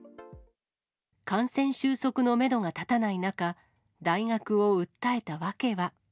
感染収束のメドが立たない中、大学を訴えた訳は。